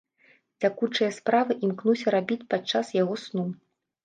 Цякучыя справы імкнуся рабіць падчас яго сну.